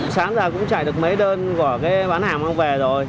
sáng ra cũng xài được mấy đơn của cái bán hàng mang về rồi